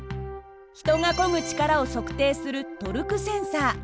人がこぐ力を測定するトルクセンサー。